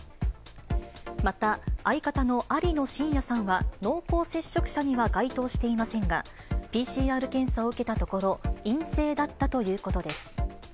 また、相方の有野晋哉さんは濃厚接触者には該当していませんが、ＰＣＲ検査を受けたところ、陰性だったということです。